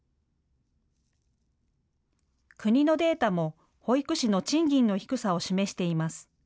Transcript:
国のデータも保育士の賃金の低さを示しています。